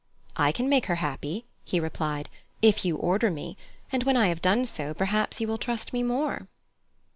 "I can make her happy," he replied, "if you order me; and when I have done so, perhaps you will trust me more."